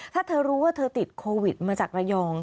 ถ้าเธอรู้ว่าเธอติดโควิดมาจากระยอง